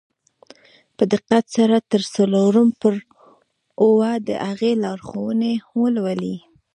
په دقت سره تر څلورم پړاوه د هغې لارښوونې ولولئ.